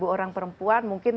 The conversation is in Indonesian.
empat orang perempuan mungkin